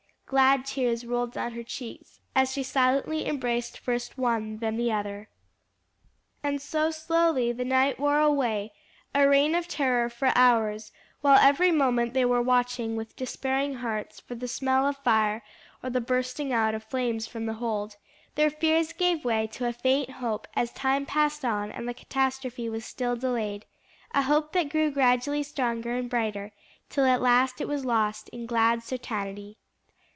Glad tears rolled down her cheeks as she silently embraced first one, then the other. And so slowly the night wore away, a reign of terror for hours, while every moment they were watching with despairing hearts for the smell of fire or the bursting out of flames from the hold; their fears gave way to a faint hope as time passed on and the catastrophe was still delayed; a hope that grew gradually stronger and brighter, till at last it was lost in glad certainty.